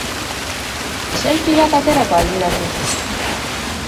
Selfie bat aterako al didazu?